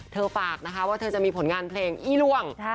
เธอฝากว่าเธอจะมีผลงานเพลงอี้ร่วง